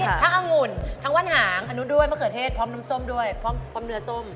ทั้งองุ่นทั้งวันหางอนุด้วยมะเขือเทศพร้อมน้ำส้มด้วยพร้อมเนื้อส้ม